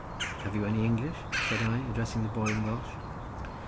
"Have you any English?" said I, addressing the boy in Welsh.